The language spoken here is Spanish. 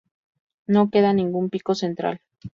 No queda ningún pico central.